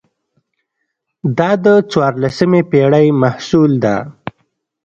دا د څوارلسمې پېړۍ محصول ده.